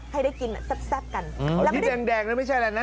ให้ได้กินซาบกันอืมอ้าวพี่แดงน่ะไม่ใช่แล้วนะ